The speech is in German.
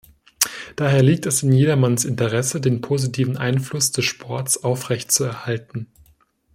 Daher liegt es in jedermanns Interesse, den positiven Einfluss des Sports aufrechtzuerhalten.